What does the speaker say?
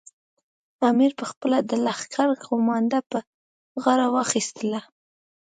امیر پخپله د لښکر قومانده پر غاړه واخیستله.